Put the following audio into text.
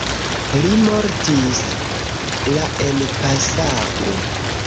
Li mortis la en Passau.